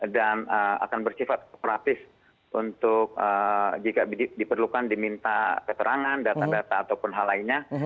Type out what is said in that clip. dan akan bersifat praktis untuk jika diperlukan diminta keterangan data data ataupun hal lainnya